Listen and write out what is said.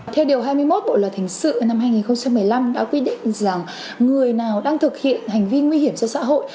theo điều hai mươi một bộ luật hình sự năm hai nghìn một mươi năm đã quy định rằng người nào đang thực hiện hành vi nguy hiểm cho xã hội